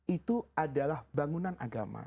itu adalah bangunan agama